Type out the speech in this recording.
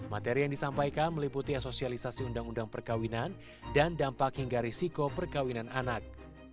materi yang disampaikan meliputi asosialisasi undang undang perkawinan dan dampak hingga risiko perkawinan anak